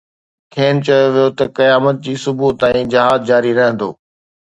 کين چيو ويو ته قيامت جي صبح تائين جهاد جاري رهندو.